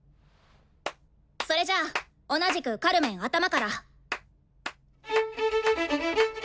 それじゃあ同じくカルメン頭から。